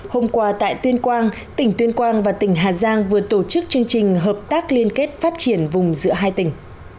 hôm qua tại tuyên quang tỉnh tuyên quang và tỉnh hà giang vừa tổ chức chương trình hợp tác liên kết phát triển vùng giữa hai tỉnh